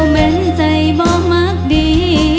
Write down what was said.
เม้นใจบ่มากดี